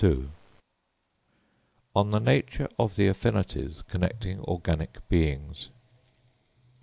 _On the Nature of the Affinities connecting Organic Beings.